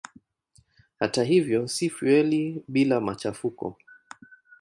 Hata hivyo si fueli bila machafuko.